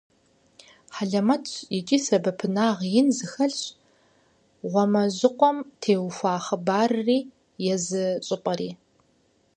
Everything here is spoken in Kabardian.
Хьэлэмэтщ икӀи сэбэпынагъ ин зыхэлъщ «Гъуамэжьыкъуэм» теухуа хъыбарри езы щӀыпӀэри.